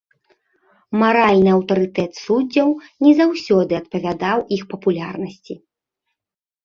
Маральны аўтарытэт суддзяў не заўсёды адпавядаў іх папулярнасці.